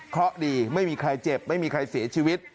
เพราะดีไม่มีใครเจ็บไม่มีใครเสียชีวิต